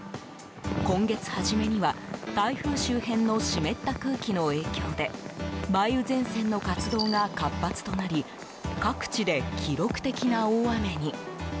今月初めには台風周辺の湿った空気の影響で梅雨前線の活動が活発となり各地で記録的な大雨に。